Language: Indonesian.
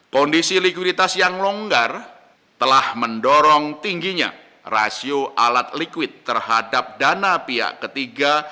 kondisi likuiditas yang longgar telah mendorong tingginya rasio alat likuid terhadap dana pihak ketiga